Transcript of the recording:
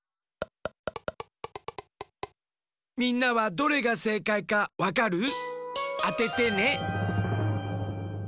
みんなはどれがせいかいかわかる？あててね。